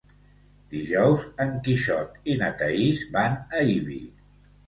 Dijous en Quixot i na Thaís van a Ibi.